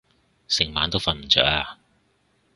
成晚都瞓唔著啊